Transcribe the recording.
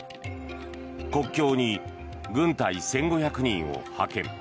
国境に軍隊１５００人を派遣。